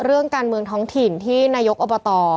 เรื่องการเมืองท้องถิ่นที่นายกอบต